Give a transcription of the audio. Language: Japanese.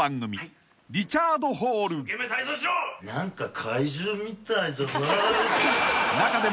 「何か怪獣みたい」